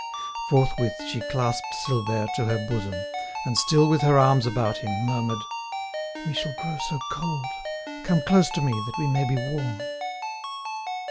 Forthwith she clasped Silvère to her bosom, and, still with her arms about him, murmured: "We shall grow so cold; come close to me that we may be warm."